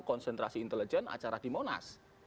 konsentrasi intelijen acara di monas